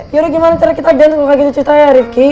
yaudah gimana cara kita dance kalo kayak gitu cerita ya rifki